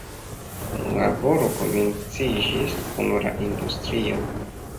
Kunlaboro komenciĝis kun la industrio.